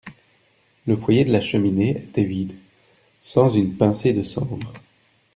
Le foyer de la cheminée était vide, sans une pincée de cendre.